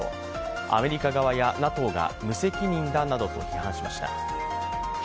アメリカ側やＮＡＴＯが無責任だなどと批判しました。